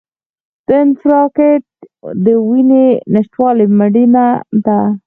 د انفارکټ د وینې نشتوالي مړینه ده.